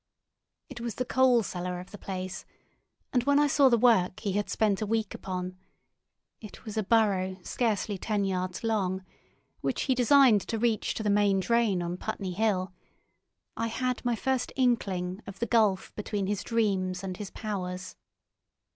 It was the coal cellar of the place, and when I saw the work he had spent a week upon—it was a burrow scarcely ten yards long, which he designed to reach to the main drain on Putney Hill—I had my first inkling of the gulf between his dreams and his powers.